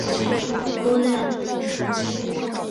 博雷埃。